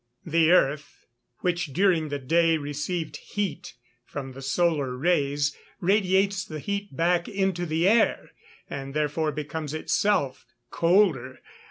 _ The earth, which during the day received heat from the solar rays, radiates the heat back into the air, and therefore becomes itself colder.